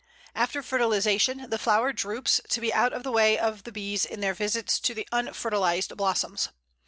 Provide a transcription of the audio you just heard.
After fertilization the flower droops, to be out of the way of the bees in their visits to the unfertilized blossoms.